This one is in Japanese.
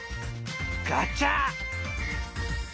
ガチャ！